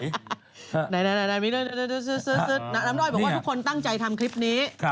น้ำด้อยบอกว่าทุกคนตั้งใจทำคลิปนี้